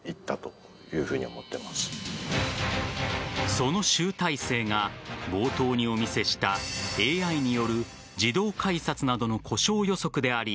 その集大成が冒頭にお見せしたＡＩによる自動改札などの故障予測であり